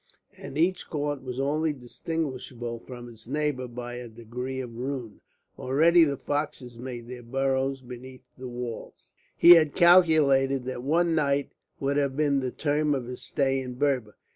And each court was only distinguishable from its neighbour by a degree of ruin. Already the foxes made their burrows beneath the walls. He had calculated that one night would have been the term of his stay in Berber.